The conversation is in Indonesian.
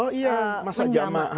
oh iya masa jamak